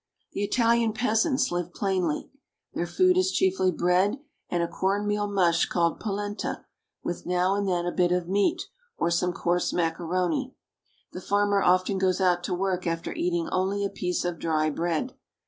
The Italian peasants live plainly. Their food is chiefly bread and a corn meal mush called polenta, with now and then a bit of meat or some coarse macaroni. The farmer often goes out to work after eating only a piece of dry bread.